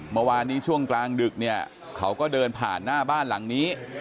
เมื่อวานนี้ช่วงกลางดึกเนี่ยเขาก็เดินผ่านหน้าบ้านหลังนี้